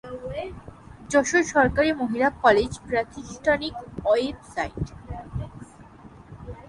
যশোর সরকারি মহিলা কলেজ প্রাতিষ্ঠানিক ওয়েবসাইট